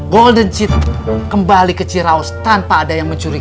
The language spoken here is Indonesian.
golden child kembali ke ciraus tanpa ada yang mencurigai